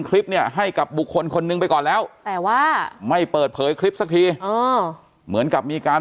ใช่ค่ะคืนวันเสาร์